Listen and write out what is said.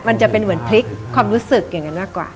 มันจะเป็นเหมือนพลิกความรู้สึกอย่างนั้นมากกว่า